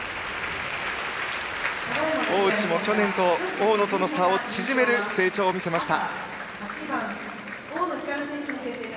大内も去年の大野との差を縮める成長を見せました。